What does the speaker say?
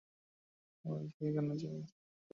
আমাদের থেকে কেনা জমি দিয়ে কী করবে?